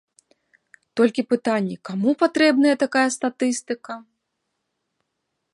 Толькі пытанне, каму патрэбная такая статыстыка?